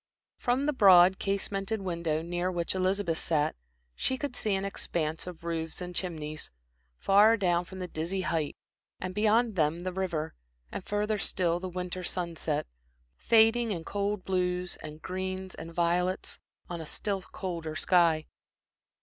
From the broad casemented window near which Elizabeth sat, she could see an expanse of roofs and chimneys, far down from the dizzy height, and beyond them the river, and further still the winter sunset, fading in cold blues and greens and violets, on a still colder sky.